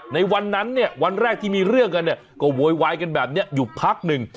ในวันนั้นเนี่ยวันแรกที่มีเรื่องกันเนี่ยก็โวยวายกันแบบนี้อยู่พักหนึ่ง